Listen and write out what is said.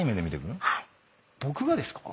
僕がですか？